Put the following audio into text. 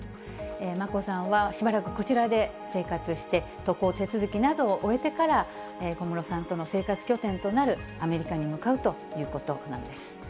眞子さんは、しばらくこちらで生活して、渡航手続きなどを終えてから、小室さんとの生活拠点となるアメリカに向かうということなんです。